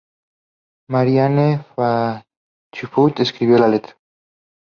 Marianne Faithfull escribió la letra.